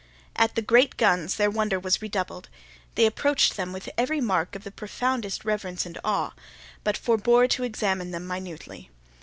At the great guns their wonder was redoubled. They approached them with every mark of the profoundest reverence and awe, but forbore to examine them minutely.